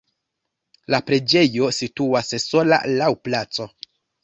La preĝejo situas sola laŭ placo.